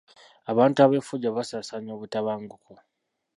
Abantu ab'effujjo basaasaanya obutabanguko.